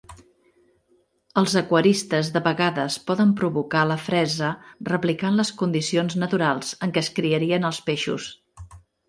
Els aquaristes de vegades poden provocar la fresa replicant les condicions naturals en què es criarien els peixos.